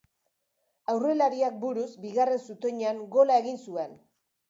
Aurrelariak buruz, bigarren zutoinean, gola egin zuen.